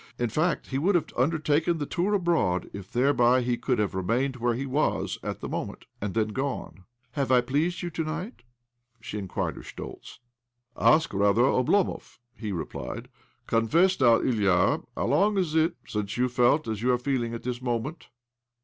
In fact, he would have undertaken the tour abroad if thereby he could have remained where he was at that moment, and then gone. ''Have I pleased you to night?" she in quired of Schtoltz. OBL'OMOV 173 ' Ask, rather, Oblomov," he repjied. " Confess now, Ilya : how long is it since you feh as you are feeling at this momtent?